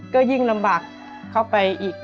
ก็ยิ่งลำบากเข้าไปอีก